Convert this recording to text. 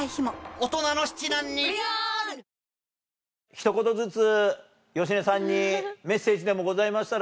ひと言ずつ芳根さんにメッセージでもございましたら。